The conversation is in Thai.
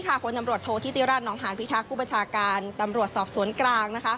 คนตำรวจโทษธิติราชนองหานพิทักษ์ผู้บัญชาการตำรวจสอบสวนกลาง